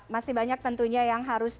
masih banyak tentunya yang harus